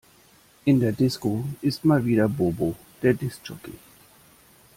In der Disco ist mal wieder Bobo der Disk Jockey.